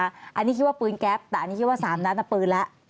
อันนี้คิดว่าปืนแก๊ปแต่อันนี้คิดว่า๓นัดปืนแล้ว